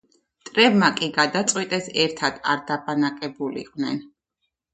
მტრებმა კი გადაწყვიტეს ერთად არ დაბანაკებულიყვნენ.